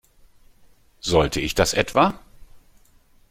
Sollte ich das etwa?